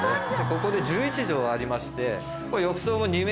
ここで１１帖ありまして。